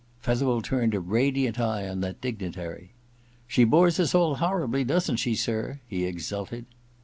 Fetherel turned a radiant eye on that dig nitary. * She bores us all horribly, doesn't she, sir ?' he exulted.